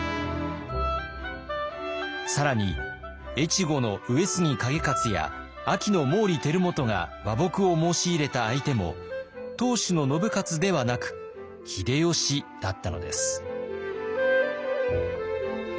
更に越後の上杉景勝や安芸の毛利輝元が和睦を申し入れた相手も当主の信雄ではなく秀吉だったのです。